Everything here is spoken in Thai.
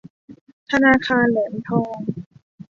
ธนาคารแหลมทอง